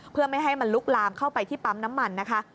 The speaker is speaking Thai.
เพื่อไม่ให้มันลุกลามเข้าไปที่ปั๊มน้ำมันนะคะ